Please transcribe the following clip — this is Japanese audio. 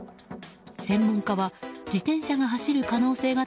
専門家は、自転車が走る可能性が